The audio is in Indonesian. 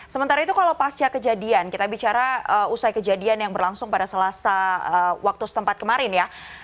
sementara itu kalau pasca kejadian kita bicara usai kejadian yang berlangsung pada selasa waktu setempat kemarin ya